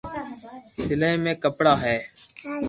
سلائي مي ڪپڙا ھي